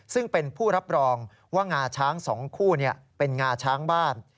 ซึ่งเป็นผู้รับรองว่างาช้าง๒คู่เป็นงาช้างบ้าน